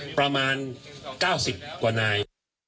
ประมาณ๙๐กว่านาย